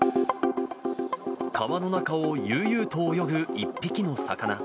川の中を悠々と泳ぐ１匹の魚。